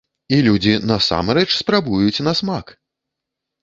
І людзі насамрэч спрабуюць на смак!